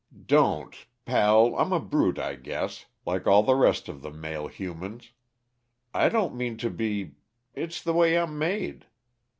"Don't pal, I'm a brute, I guess, like all the rest of the male humans. I don't mean to be it's the way I'm made.